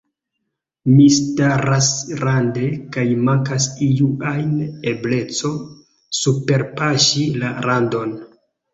Mi staras rande, kaj mankas iu ajn ebleco superpaŝi la randon.